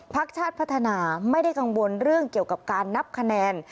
ชาติพัฒนาไม่ได้กังวลเรื่องเกี่ยวกับการนับคะแนน